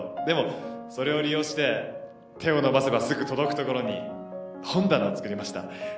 でもそれを利用して手を伸ばせばすぐ届くところに本棚を作りました。